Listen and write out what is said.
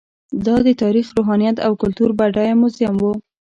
دا د تاریخ، روحانیت او کلتور بډایه موزیم و.